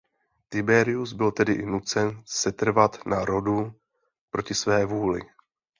Tiberius byl tedy nucen setrvat na Rhodu proti své vůli.